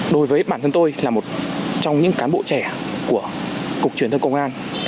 đối với bản thân tôi là một trong những cán bộ trẻ của cục truyền thông công an